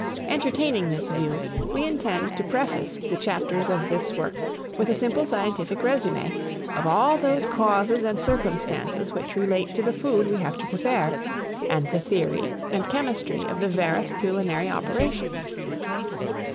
Entertaining this view, we intend to preface the chapters of this work with a simple scientific résumé of all those causes and circumstances which relate to the food we have to prepare, and the theory and chemistry of the various culinary operations.